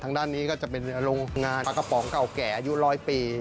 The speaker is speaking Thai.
ทางด้านนี้ก็จะเป็นโรงงานปลากระป๋องเก่าแก่อายุร้อยปี